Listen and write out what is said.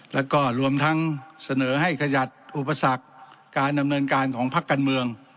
แล้วก็รวมทั้งเสนอให้ขยับอุปสรรคการดำเนินการของพักการเมือง